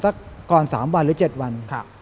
สักก่อน๓วันหรือ๗วัน